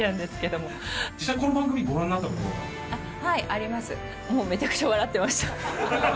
もうめちゃくちゃ笑ってました。